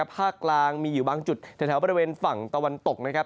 ภาคกลางมีอยู่บางจุดแถวบริเวณฝั่งตะวันตกนะครับ